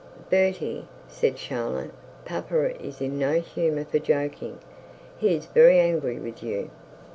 'Bertie,' said Charlotte, 'papa is in no humour for joking. He is very angry with you.'